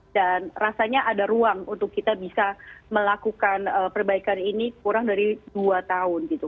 dan rasanya ada ruang untuk kita bisa melakukan perbaikan ini kurang dari dua tahun gitu